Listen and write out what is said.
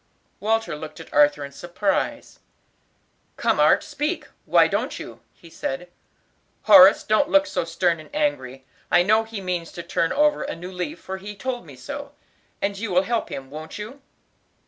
Walter looked at Arthur in surprise. "Come, Art, speak, why don't you?" he said. "Horace, don't look so stern and angry, I know he means to turn over a new leaf; for he told me so. And you will help him, won't you?"